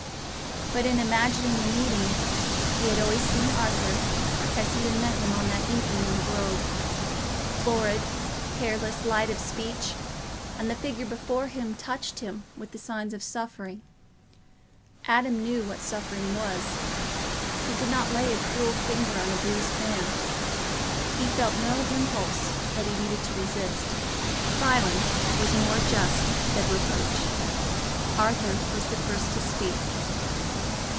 But in imagining the meeting he had always seen Arthur, as he had met him on that evening in the Grove, florid, careless, light of speech; and the figure before him touched him with the signs of suffering. Adam knew what suffering was—he could not lay a cruel finger on a bruised man. He felt no impulse that he needed to resist. Silence was more just than reproach. Arthur was the first to speak.